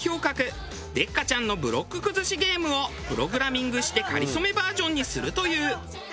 デッカチャンのブロック崩しゲームをプログラミングして『かりそめ』バージョンにするという。